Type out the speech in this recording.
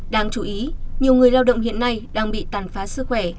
đáng chú ý nhiều người lao động hiện nay đang bị tàn phá sức khỏe